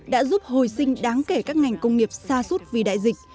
đã giúp hồi sinh đáng kể các ngành công nghiệp xa suốt vì đại dịch